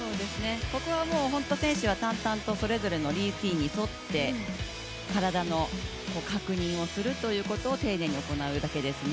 ここは選手はたんたんとそれぞれのルーティーンに沿って体の確認をするということを丁寧に行うだけですね。